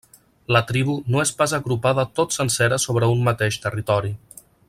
La tribu no és pas agrupada tot sencera sobre un mateix territori.